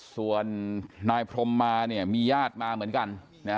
ส่วนนายพรมมาเนี่ยมีญาติมาเหมือนกัน